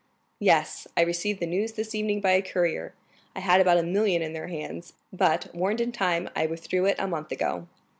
"Yes; I received the news this evening by a courier. I had about a million in their hands, but, warned in time, I withdrew it a month ago."